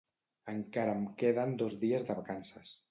Encara em queden dos dies de vacances